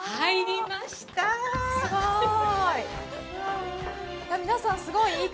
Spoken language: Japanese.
すごーい。